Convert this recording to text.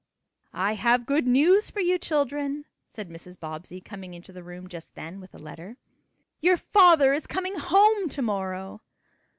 "I have good news for you, children," said Mrs. Bobbsey, coming into the room just then with a letter. "Your father is coming home to morrow."